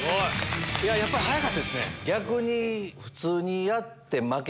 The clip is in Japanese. やっぱり速かったですね。